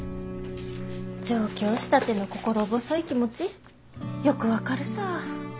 上京したての心細い気持ちよく分かるさぁ。